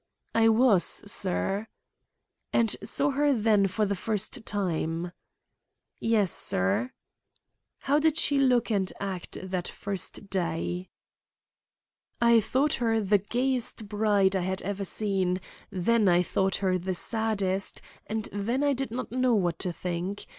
"I was, sir." "And saw her then for the first time?" "Yes, sir." "How did she look and act that first day?" "I thought her the gayest bride I had ever seen, then I thought her the saddest, and then I did not know what to think.